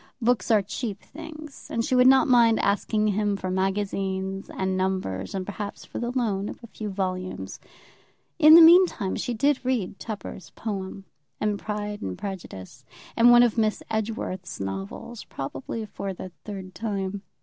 Books are cheap things, and she would not mind asking him for magazines, and numbers, and perhaps for the loan of a few volumes. In the meantime she did read Tupper's poem, and "Pride and Prejudice," and one of Miss Edgeworth's novels, probably for the third time.